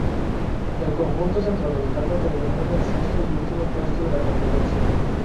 El conjunto centroamericano terminó en el sexto y último puesto de la competencia.